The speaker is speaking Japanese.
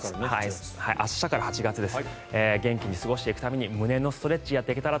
明日から８月です。